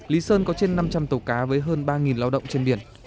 lý sơn có trên năm trăm linh tàu cá với hơn ba lao động trên biển